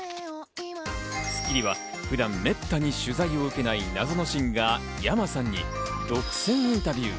『スッキリ』は普段めったに取材を受けない謎のシンガー、ｙａｍａさんに独占インタビュー。